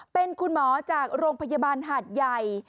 เป็นคุณหมอจากโรงพยาบาลหาดใหญ่